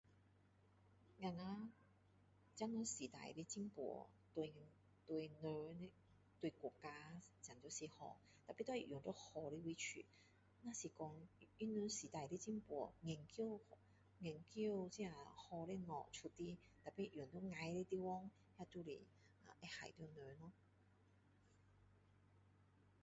我们现在时代的进步对对人的对国家真的是好 tapi 要用在好的地方如果是说他们时代的进步研究研究这些好的东西出来 tapi 用在坏的地方那就会害到人咯